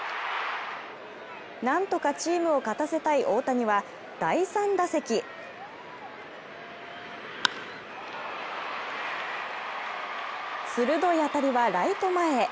なんとかチームを勝たせたい大谷は第３打席鋭い当たりはライト前へ。